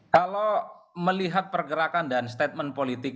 kalau melihat pergerakan dan statement politik